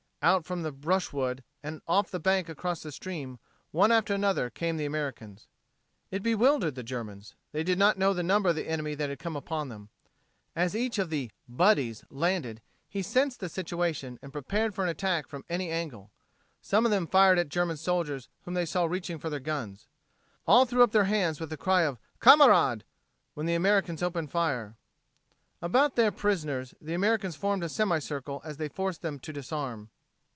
Out from the brushwood and off the bank across the stream, one after another, came the Americans. It bewildered the Germans. They did not know the number of the enemy that had come upon them. As each of the "Buddies" landed, he sensed the situation, and prepared for an attack from any angle. Some of them fired at German soldiers whom they saw reaching for their guns. All threw up their hands, with the cry "Kamerad!" when the Americans opened fire. About their prisoners the Americans formed in a semicircle as they forced them to disarm.